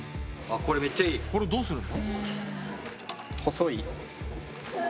これをどうするの？